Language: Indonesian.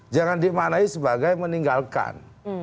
jangan dimanai sebagai meninggalkan